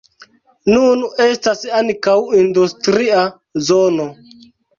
Nun estas ankaŭ industria zono.